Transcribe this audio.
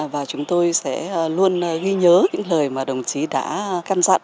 và chúng tôi sẽ luôn ghi nhớ những lời mà đồng chí đã căn dặn